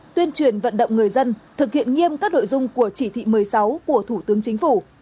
tuyên truyền vận động người dân thực hiện nghiêm các nội dung của chỉ thị một mươi sáu của thủ tướng chính phủ